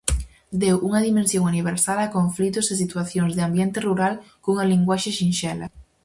Deu unha dimensión universal a conflitos e situacións de ambiente rural cunha linguaxe sinxela.